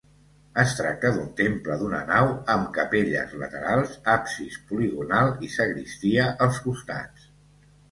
Es tracta d'un temple d'una nau, amb capelles laterals, absis poligonal i sagristia als costats.